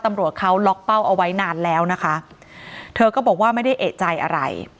ตำรวจเขาล็อกเป้าเอาไว้นานแล้วนะคะเธอก็บอกว่าไม่ได้เอกใจอะไร